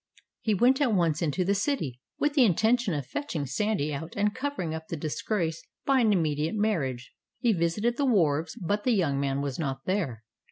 He went at once into the city, with the intention of fetching Sandy out and covering up the disgrace by an immediate marriage. He visited the wharves, but the young man was not there.